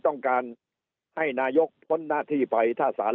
ต้องการให้นายกพ้นหน้าที่ไปถ้าสาร